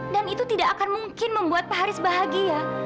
dan itu tidak akan mungkin membuat pak haris bahagia